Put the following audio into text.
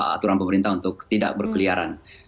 aturan pemerintah untuk tidak berkeliaran